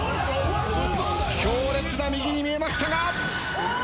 強烈な右に見えましたが。